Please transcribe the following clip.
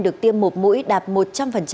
được tiêm một mũi đạt một trăm linh